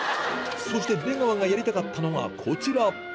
そして出川がやりたかったのがこちら